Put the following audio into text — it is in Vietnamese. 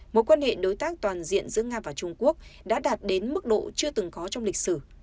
mối quan hệ đối tác toàn diện giữa nga và trung quốc đã đạt đến mức độ chưa từng có trong lịch sử